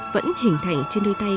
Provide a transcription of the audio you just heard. vẫn hình thành trên đôi tay